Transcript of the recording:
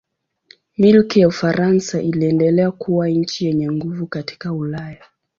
Milki ya Ufaransa iliendelea kuwa nchi yenye nguvu katika Ulaya.